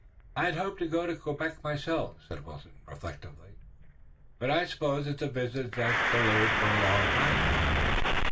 "I had hoped to go to Quebec myself," said Wilton reflectively, "but I suppose it's a visit that's delayed for a long time now."